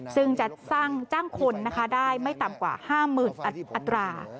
ซึ่งจะสร้างจ้างคนนะคะได้ไม่ต่ำกว่าห้ามหมื่นอัตรา